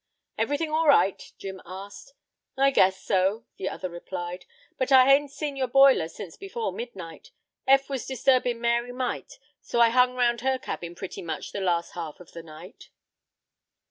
"Everything all right?" Jim asked. "I guess so," the other replied. "But I hain't seen your boiler sence before midnight. Eph was disturbin' Mary Mite, and so I hung 'round her cabin pretty much the last half of the night."